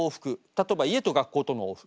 例えば家と学校との往復。